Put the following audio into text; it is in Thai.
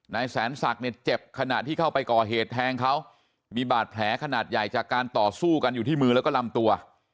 นายแสนศักดิ์เนี่ยเจ็บขณะที่เข้าไปก่อเหตุแทงเขามีบาดแผลขนาดใหญ่จากการต่อสู้กันอยู่ที่มือแล้วก็ลำตัว